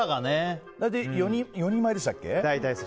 ４人前でしたっけ。